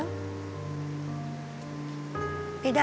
ไม่ได้เก็บไม่ได้หรอก